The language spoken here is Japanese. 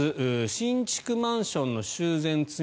新築マンションの修繕積